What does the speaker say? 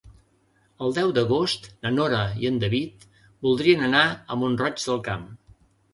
El deu d'agost na Nora i en David voldrien anar a Mont-roig del Camp.